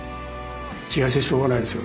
気がしてしょうがないですよ。